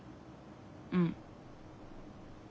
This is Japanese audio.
うん。